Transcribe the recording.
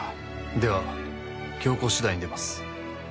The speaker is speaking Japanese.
では強硬手段に出ます。